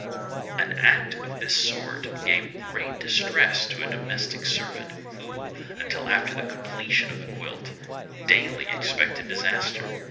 _ An act of this sort gave great distress to a domestic servant, who, until after the completion of the quilt, daily expected disaster.